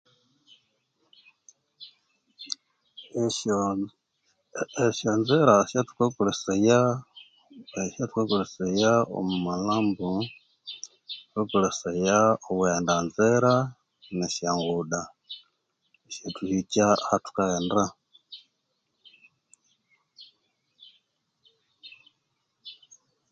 Esyoo ee esyanzira esyathukakolesaya omu malhambo thukakolesaya obughenda nzira ne syangudda isyathuhikya ahathukaghenda